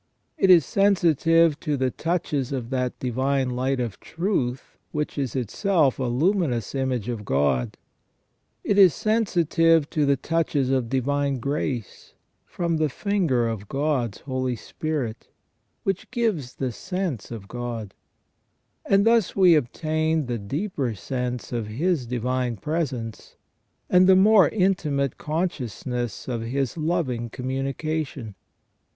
It is sensitive to the touches of that divine light of truth which is itself a luminous image of God ; it is sensitive to the touches of divine grace, from the finger of God's Holy Spirit, which give the sense of God ; and thus we obtain the deeper sense of His divine presence, and the more intimate consciousness of His loving communication.